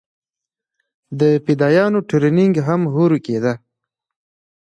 د فدايانو ټرېننگ هم هورې کېده.